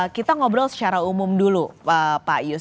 kita ngobrol secara umum dulu pak yus